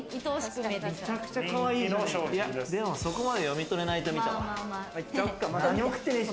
でも、そこまで読み取れないとみた。